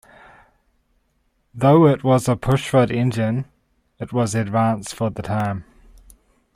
Though it was a pushrod engine, it was advanced for the time.